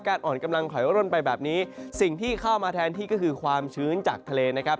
อ่อนกำลังถอยร่นไปแบบนี้สิ่งที่เข้ามาแทนที่ก็คือความชื้นจากทะเลนะครับ